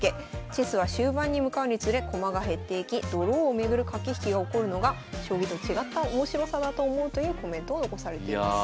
チェスは終盤に向かうにつれ駒が減っていきドローを巡る駆け引きが起こるのが将棋と違った面白さだと思うというコメントを残されています。